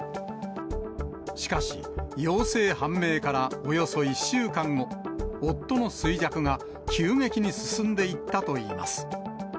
しかし、陽性判明からおよそ１週間後、夫の衰弱が急激に進んでいったといいます。